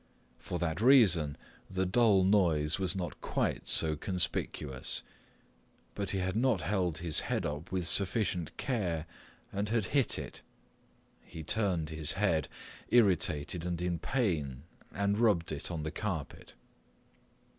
For that reason the dull noise was not quite so conspicuous. But he had not held his head up with sufficient care and had hit it. He turned his head, irritated and in pain, and rubbed it on the carpet.